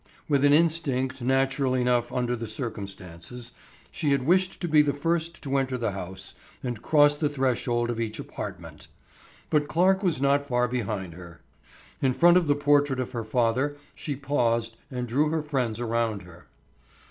With an instinct natural enough under the circumstances, she had wished to be the first to enter the house and cross the threshold of each apartment. But Clarke was not far behind her. In front of the portrait of her father she paused and drew her friends around her.